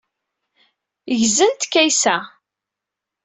Ggzent Kaysa.